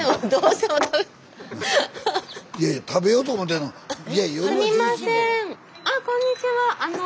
いや食べようと思ってんの？